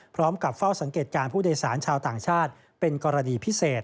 พร้อมกับเฝ้าสังเกตการณ์ผู้โดยสารชาวต่างชาติเป็นกรณีพิเศษ